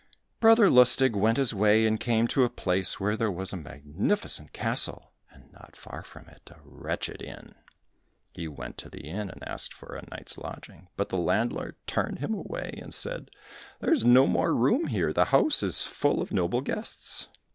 Brother Lustig went his way and came to a place where there was a magnificent castle, and not far from it a wretched inn. He went to the inn and asked for a night's lodging, but the landlord turned him away, and said, "There is no more room here, the house is full of noble guests."